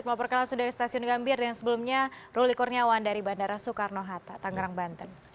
melaporkan langsung dari stasiun gambir dan sebelumnya ruli kurniawan dari bandara soekarno hatta tangerang banten